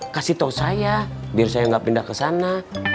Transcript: kasih tau saya biar saya gak pindah kesana